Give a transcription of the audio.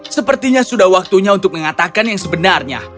sepertinya sudah waktunya untuk mengatakan yang sebenarnya